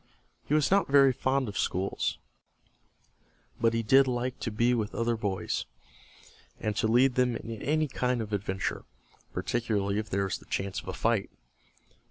He was not very fond of school, but he did like to be with other boys, and to lead them in any kind of an adventure, particularly if there was the chance of a fight.